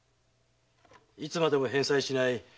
いつまでも返済しない貸付金